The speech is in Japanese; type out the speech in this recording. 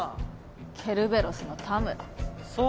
ケルベロスの田村。